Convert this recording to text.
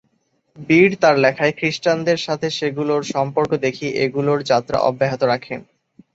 বিড তার লেখায় খ্রিস্টাব্দের সাথে সেগুলোর সম্পর্ক দেখিয়ে এগুলোর যাত্রা অব্যাহত রাখেন।